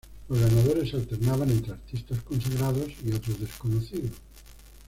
Los ganadores se alternaban entre artistas consagrados y otros desconocidos.